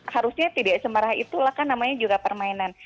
harusnya tidak semarah itulah kan namanya juga permainan